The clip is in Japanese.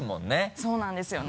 そうなんですよね